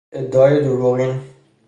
ادعای دروغین